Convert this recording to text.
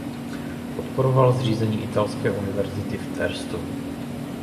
Podporoval zřízení italské univerzity v Terstu.